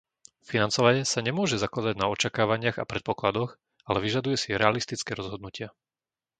Financovanie sa nemôže zakladať na očakávaniach a predpokladoch, ale vyžaduje si realistické rozhodnutia.